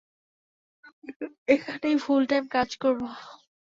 এখানেই full time কাজ করব।